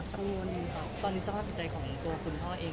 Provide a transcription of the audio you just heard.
ตอนนี้สภาพใจใจของคุณพ่อเอง